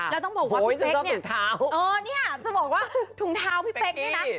แล้วต้องบอกว่าพี่เป๊กเนี่ยจะบอกว่าถุงเท้าพี่เป๊กนี่นะ